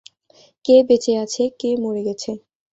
কে বেঁচে আছে, কে মরে গেছে।